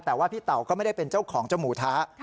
แต่ว่าพี่เต่าก็ไม่ได้เป็นเจ้าของเจ้าหมูท้า